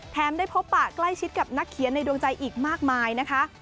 ได้พบปะใกล้ชิดกับนักเขียนในดวงใจอีกมากมายนะคะ